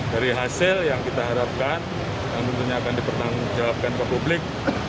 dari hasil yang kita harapkan yang tentunya akan dipertanggungjawabkan ke publik